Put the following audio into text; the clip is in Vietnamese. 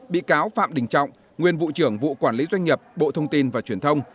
bị cáo phạm đình trọng nguyên vụ trưởng vụ quản lý doanh nghiệp bộ thông tin và truyền thông